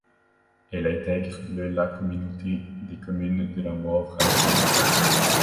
Elle intègre le la communauté de communes de la Moivre à la Coole.